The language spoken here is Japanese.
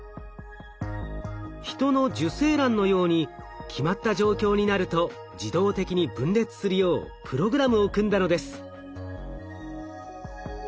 ヒトの受精卵のように決まった状況になると自動的に分裂するようプログラムを組んだのです。